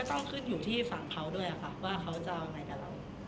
ต้องขึ้นอยู่ที่ฝั่งเขาด้วยค่ะว่าเขาจะเอาไงกับเรา